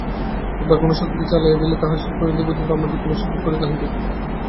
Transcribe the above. একবার কোন শক্তিকে চালাইয়া দিলে তাহার শেষ পরিণতি পর্যন্ত আমাদিগকে অবশ্যই ভোগ করিতে হইবে।